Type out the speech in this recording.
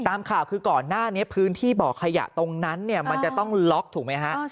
ตามข่าวคือก่อนหน้านี้พื้นที่บ่อขยะตรงนั้นเนี่ยมันจะต้องล็อกถูกไหมฮะ